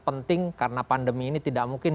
penting karena pandemi ini tidak mungkin